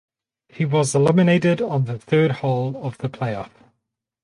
He was eliminated on the third hole of the playoff.